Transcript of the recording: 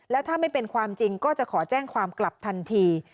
แล้วถ้าไม่เป็นความจริงก็จะขอแจ้งความกลับทันที